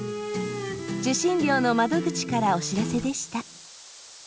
受信料の窓口からお知らせでした。